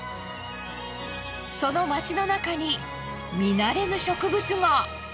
その街の中に見慣れぬ植物が。